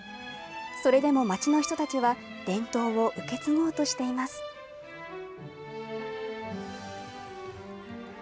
それでも町の人たちは、伝統を受け継ごうとしています。